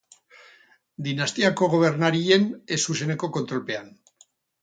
Dinastiako gobernarien ez zuzeneko kontrolpean.